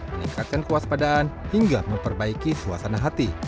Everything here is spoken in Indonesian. meningkatkan kuas padaan hingga memperbaiki suasana hati